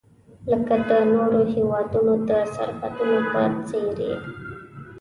لکه د نورو هیوادونو د سرحدونو په څیر یې.